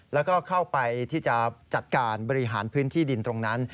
แล้วก็เข้าไปที่จะจัดการบริหารพื้นที่ดินตรงนั้น